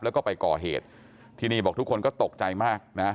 แล้วก็ไปก่อเหตุที่นี่บอกทุกคนก็ตกใจมากนะ